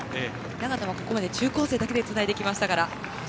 ここまで中高生だけでつないできましたから。